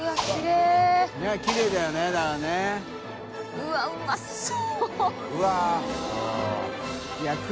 うわっうまそう